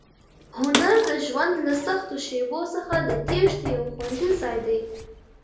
هنر د ژوند له سختو شېبو څخه د تېښتې یو خوندي ځای دی.